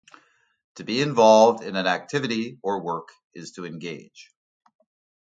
To be involved in an activity or work is to engage.